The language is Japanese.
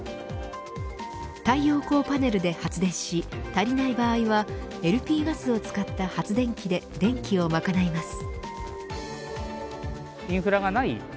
太陽光パネルで発電し足りない場合はＬＰガスを使った発電機で電気をまかないます。